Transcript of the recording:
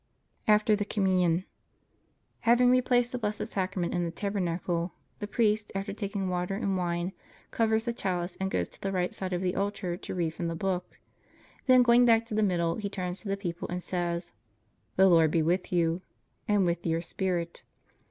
AFTER THE COMMUNION Having replaced the Blessed Sacrament in the tabernacle, the priest after taking water and wine, covers the chalice and goes to the right side of the altar to read from the book. Then going back to the middle he turns to the people and says: The Lord be with you. And with your spirit.